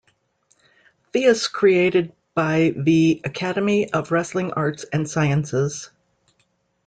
Theas created by the Academy of Wrestling Arts and Sciences.